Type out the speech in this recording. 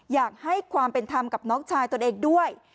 อยากให้ความเป็นธรรมกับน้องชายตนเองด้วย